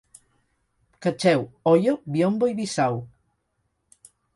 Cacheu, Oio, Biombo i Bissau.